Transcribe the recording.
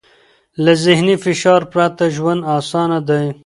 له ذهني فشار پرته ژوند اسان دی.